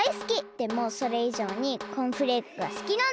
でもそれいじょうにコーンフレークがすきなの！